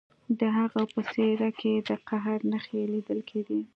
د هغه په څیره کې د قهر نښې لیدل کیدې